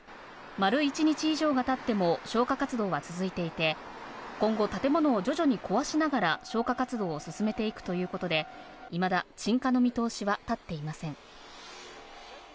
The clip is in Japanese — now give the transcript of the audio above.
丸一日以上が経っても消火活動は続いていて、今後、建物を徐々に壊しながら消火活動を進めていくということで、いまだ鎮火の見通しは立っていません。